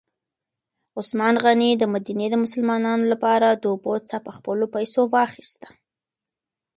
عثمان غني د مدینې د مسلمانانو لپاره د اوبو څاه په خپلو پیسو واخیسته.